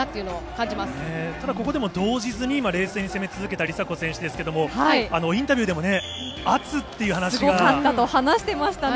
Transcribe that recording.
ただ、ここでも動じずに、今、冷静に攻め続けた梨紗子選手ですけれども、インタビューでもすごかったと話してましたね。